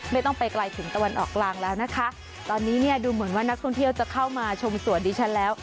ไม่ต้องไปไกลถึงตะวันออกกลางแล้วนะคะตอนนี้เนี่ยดูเหมือนว่านักท่องเที่ยวจะเข้ามาชมสวนดิฉันแล้ว